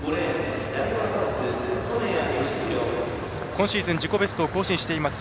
今シーズン自己ベストを更新しています